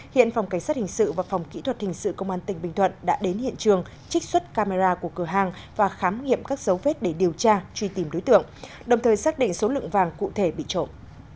hiện phòng cảnh sát hình sự và phòng kỹ thuật hình sự công an tỉnh bình thuận đã đến hiện trường trích xuất camera của cửa hàng và khám nghiệm các dấu vết để điều tra truy tìm đối tượng đồng thời xác định số lượng vàng cụ thể bị trộm